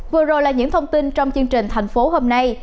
vừa rồi là những thông tin trong chương trình thành phố hôm nay